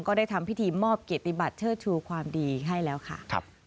ก็ได้ทำพิธีมอบเกียรติบัติเชิดชูความดีให้แล้วค่ะ